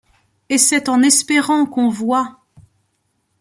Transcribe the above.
Et c’est en espérant qu’on voit !